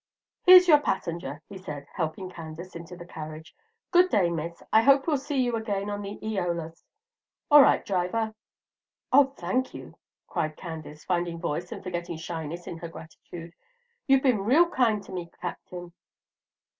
"Here's your passenger," he said, helping Candace into the carriage. "Good day, Miss. I hope we'll see you again on the 'Eolus.' All right, driver." "Oh, thank you," cried Candace, finding voice and forgetting shyness in her gratitude; "you've been real kind to me, Captain."